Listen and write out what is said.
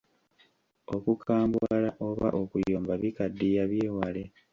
Okukambuwala oba okuyomba bikaddiya byewale.